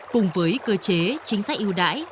cùng với cơ chế chính sách yêu đải